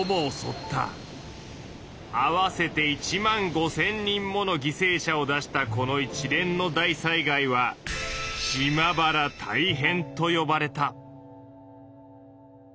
合わせて１万５，０００人もの犠牲者を出したこの一連の大災害は「島原大変」とよばれた。